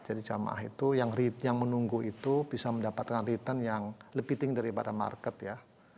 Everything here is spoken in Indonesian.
jadi jamaah itu yang menunggu itu bisa mendapatkan return yang lebih tinggi daripada market ya